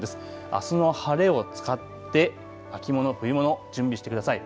あすの晴れを使って秋物、冬物準備してください。